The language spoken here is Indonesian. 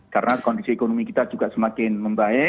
karena kondisi ekonomi kita juga semakin membaik